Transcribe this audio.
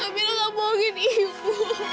amira kamu bohongin ibu